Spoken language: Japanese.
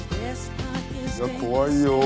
いや怖いよー。